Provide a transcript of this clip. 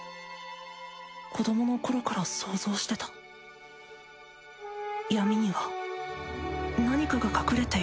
子どもの頃から想像してた闇には何かが隠れているって。